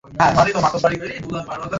আমাকে, না পূজাকে?